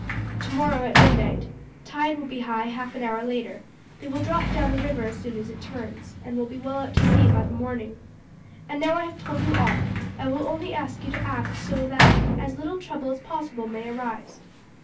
"Tomorrow at midnight. Tide will be high half an hour later; they will drop down the river as soon as it turns, and will be well out to sea by the morning. And now I have told you all, I will only ask you to act so that as little trouble as possible may arise.